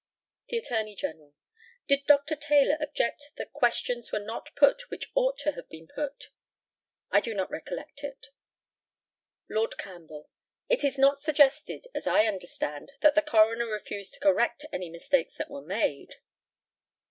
The ATTORNEY GENERAL: Did Dr. Taylor object that questions were not put which ought to have been put? I do not recollect it. Lord CAMPBELL: It is not suggested, as I understand, that the coroner refused to correct any mistakes that were made.